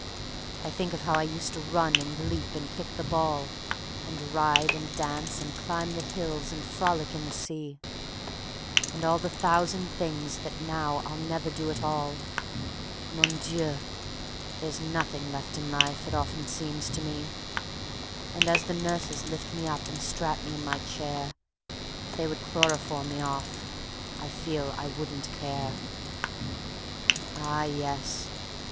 I think of how I used to run and leap and kick the ball, And ride and dance and climb the hills and frolic in the sea; And all the thousand things that now I'll never do at all. ... Mon Dieu! there's nothing left in life, it often seems to me. And as the nurses lift me up and strap me in my chair, If they would chloroform me off I feel I wouldn't care. Ah yes!